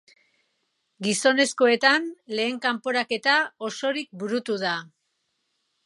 Gizonezkoetan lehen kanporaketa osorik burutu da.